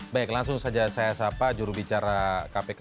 baik langsung saja saya sapa jurubicara kpk